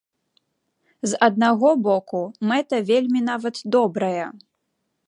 З аднаго боку, мэта вельмі нават добрая.